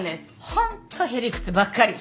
ホントへりくつばっかり。